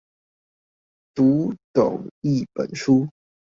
讀懂一本書